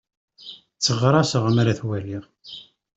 Tteɣraṣeɣ mi ara t-waliɣ.